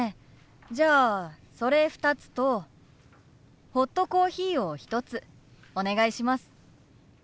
じゃあそれ２つとホットコーヒーを１つお願いします。